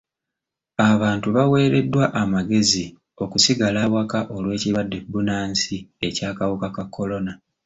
Abantu baweereddwa amagezi okusigala awaka olw'ekirwadde bbunansi eky'akawuka ka kolona.